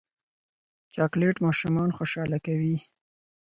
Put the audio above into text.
چاکلېټ ماشومان خوشحاله کوي.